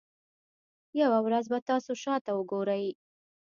یوه ورځ به تاسو شاته وګورئ.